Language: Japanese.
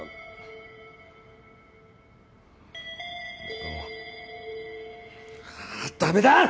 あダメだ！